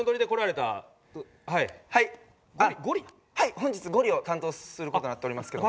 本日ゴリを担当する事になっておりますけど。